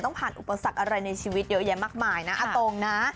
ผ่านอุปสรรคอะไรในชีวิตเยอะแยะมากมายนะอาตงนะ